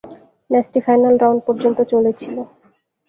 ম্যাচটি final round পর্যন্ত চলেছিল।